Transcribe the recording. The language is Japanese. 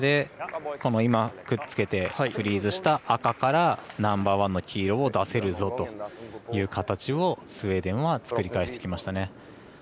くっつけてフリーズした赤から赤からナンバーワンの黄色を出せるぞという形をスウェーデンは作り返してきましたね。